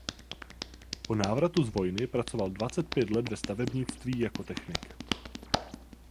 Po návratu z vojny pracoval dvacet pět let ve stavebnictví jako technik.